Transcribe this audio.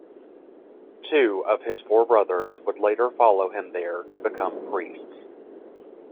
Two of his four brothers would later follow him there to become priests.